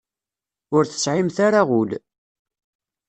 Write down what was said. Ur tesɛimt ara ul.